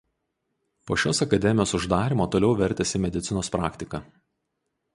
Po šios akademijos uždarymo toliau vertėsi medicinos praktika.